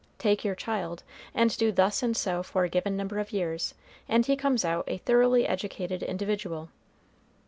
Take your child, and do thus and so for a given number of years, and he comes out a thoroughly educated individual.